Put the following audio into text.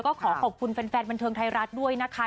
ก็ขอขอบคุณแฟนบันเทิงไทยรัฐด้วยนะคะ